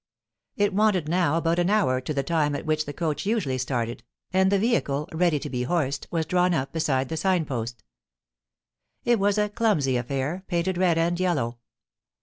It wanted now about an hour to the time at which the coach usually started, and the vehicle, ready to be horsed, was drawn up beside the sign post It was a clumsy affair, painted red and yellow.